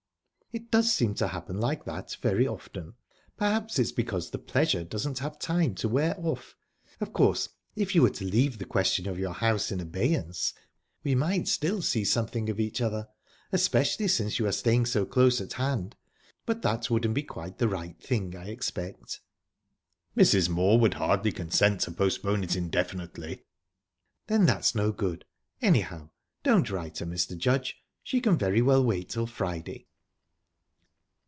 "It does seem to happen like that very often. Perhaps it's because the pleasure doesn't have time to wear off...Of course, if you were to leave the question of your house in abeyance we might still see something of each other especially since you are staying so close at hand. But that wouldn't be quite the right thing, I expect?" "Mrs. Moor would hardly consent to postpone it indefinitely." "Then that's no good...Anyhow, don't write her, Mr. Judge. She can very well wait till Friday."